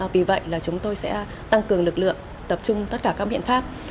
vì vậy là chúng tôi sẽ tăng cường lực lượng tập trung tất cả các biện pháp